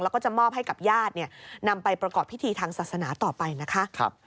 แล้วก็จะมอบให้กับญาตินำไปประกอบพิธีทางศาสนาต่อไปนะคะ